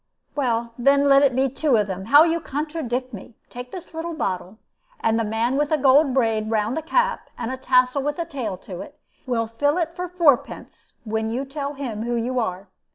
"Then let it be two of them. How you contradict me! Take this little bottle, and the man with a gold braid round a cap, and a tassel with a tail to it, will fill it for four pence when you tell him who you are."